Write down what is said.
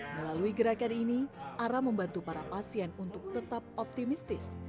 melalui gerakan ini ara membantu para pasien untuk tetap optimistis